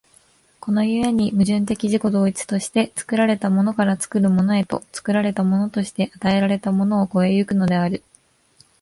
この故に矛盾的自己同一として、作られたものから作るものへと、作られたものとして与えられたものを越え行くのである。